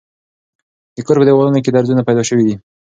د کور په دېوالونو کې درځونه پیدا شوي دي.